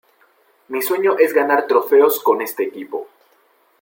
Mi sueño es ganar trofeos con este equipo.